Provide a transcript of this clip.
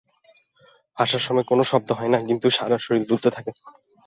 হাসার সময় কোনো শব্দ হয় না, কিন্তু সারা শরীর দুলতে থাকে।